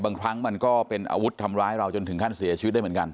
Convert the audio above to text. บางครั้งมันก็เป็นอาวุธทำร้ายเราจนถึงขั้นเสียชีวิตได้เหมือนกัน